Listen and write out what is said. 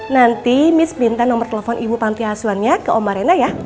nanti miss minta nomor telepon ibu pantai asuhannya ke omah rena ya